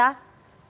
ya tampaknya kita